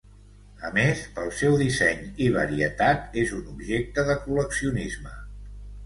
A més, pel seu disseny i varietat és un objecte de col·leccionisme.